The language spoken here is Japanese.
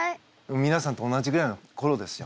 みなさんと同じぐらいのころですよ